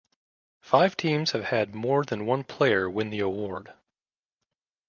Five teams have had more than one player win the award.